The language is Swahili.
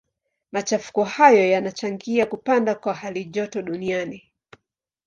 Machafuko hayo yanachangia kupanda kwa halijoto duniani.